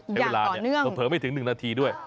แต่เวลาเผลอไม่ถึง๑นาทีด้วย